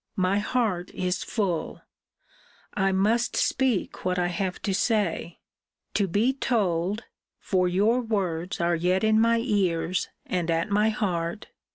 My heart is full I must speak what I have to say To be told (for your words are yet in my ears, and at my heart!)